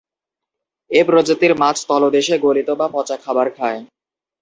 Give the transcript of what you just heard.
এ প্রজাতির মাছ তলদেশে গলিত বা পচা খাবার খায়।